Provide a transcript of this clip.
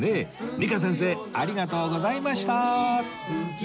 ＮＩＫＡ 先生ありがとうございました